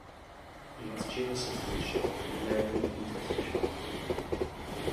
He has dual citizenship, American and British.